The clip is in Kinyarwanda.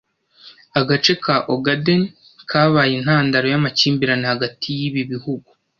Agace ka Ogaden kabaye intandaro yamakimbirane hagati yibi bihugu